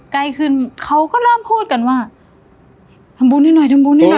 ใกล้ขึ้นเขาก็เริ่มพูดกันว่าทำบุญให้หน่อยทำบุญให้หน่อย